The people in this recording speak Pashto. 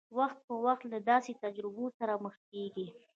وخت په وخت له داسې تجربو سره مخ کېږي.